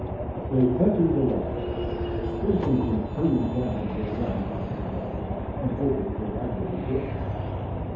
They entered the lodge. Islington hurried down the long Gothic hall, and opened the library door.